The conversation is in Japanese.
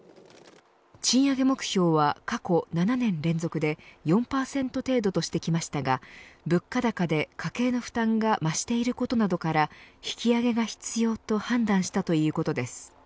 賃上げ目標は、過去７年連続で４％程度としてきましたが物価高で家計の負担が増していることなどから引き上げが必要と判断したということです。